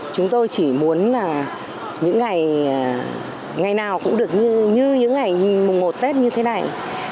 chúng tôi chỉ muốn là những ngày ngày nào cũng được như những ngày mùng một tết như thế này